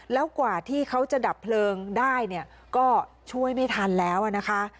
แล้วกว่าที่เขาจะดับเพลิงได้เนี่ยก็ช่วยไม่ทันแล้วนะคะ